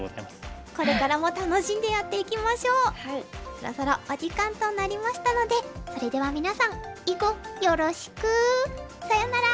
そろそろお時間となりましたのでそれでは皆さんいごよろしく！さようなら！